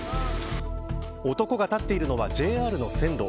男が立っているのはＪＲの線路。